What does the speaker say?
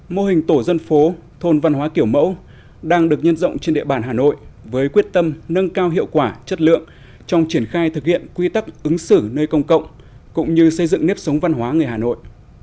mô hình tổ dân phố thôn văn hóa kiểu mẫu đang được nhân rộng trên địa bàn hà nội với quyết tâm nâng cao hiệu quả chất lượng trong triển khai thực hiện quy tắc ứng xử nơi công cộng cũng như xây dựng nếp sống văn hóa người hà nội